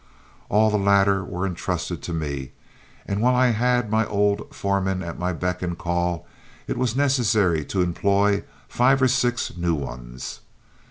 All the latter were intrusted to me, and while I had my old foremen at my beck and call, it was necessary to employ five or six new ones.